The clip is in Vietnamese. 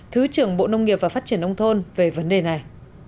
thứ trưởng bộ nông nghiệp và phát triển nông thôn về vấn đề này